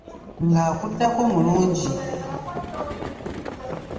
Nga akuddako mulungi.